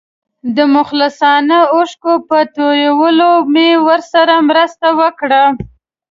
د مخلصانه اوښکو په تویولو مې ورسره مرسته وکړه.